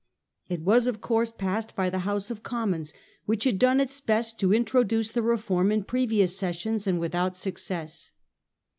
It was of course passed by the House of Commons, which had done its best to introduce the reform in previous sessions, and without success.